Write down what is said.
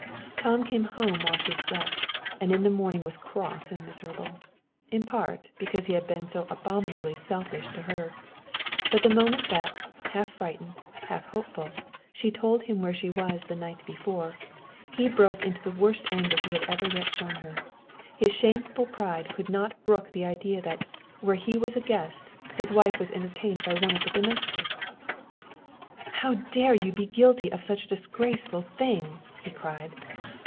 Tom came home while she slept, and in the morning was cross and miserable in part, because he had been so abominably selfish to her. But the moment that, half frightened, half hopeful, she told him where she was the night before, he broke into the worst anger he had ever yet shown her. His shameful pride could not brook the idea that, where he was a guest, his wife was entertained by one of the domestics! "How dare you be guilty of such a disgraceful thing!" he cried.